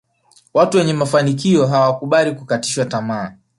Watu wenye mafanikio hawakubali kukatishwa tamaa